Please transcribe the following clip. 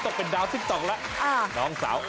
เหยียงอ่ะ